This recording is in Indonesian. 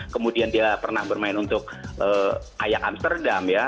kemudian dia pernah bermain untuk kayak amsterdam ya